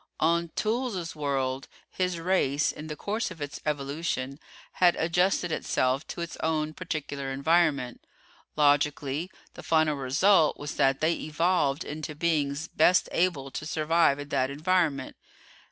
On Toolls' world his race, in the course of its evolution, had adjusted itself to its own particular environment. Logically, the final result was that they evolved into beings best able to survive in that environment.